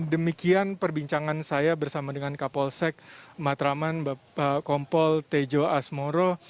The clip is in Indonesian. demikian perbincangan saya bersama dengan kapolsek matraman bapak kompol tejo asmoro